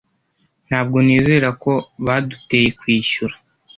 ntabwo nizera ko baduteye kwishyura